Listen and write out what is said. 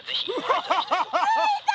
アハハハ！